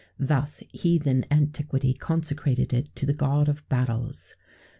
[XVII 6] Thus, heathen antiquity consecrated it to the god of battles.